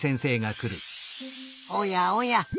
おやおや。